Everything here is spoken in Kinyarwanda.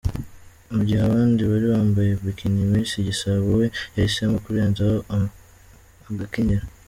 Mu gihe abandi bari bambaye Bikini, Miss Igisabo we yahisemo kurenzaho agakenyero.